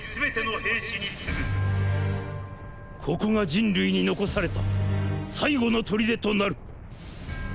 ここが人類に残された最後の砦となる。